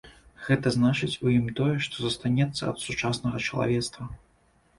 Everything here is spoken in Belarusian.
Гэта значыць, у ім тое, што застанецца ад сучаснага чалавецтва.